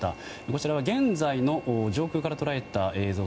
こちらは現在の上空から捉えた映像。